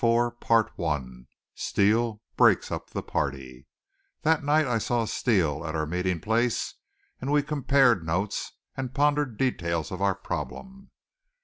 Chapter 4 STEELE BREAKS UP THE PARTY That night, I saw Steele at our meeting place, and we compared notes and pondered details of our problem.